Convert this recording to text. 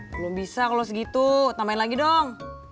belum bisa kalau segitu tambahin lagi dong